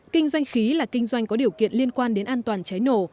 kinh doanh khí là kinh doanh có điều kiện liên quan đến an toàn cháy nổ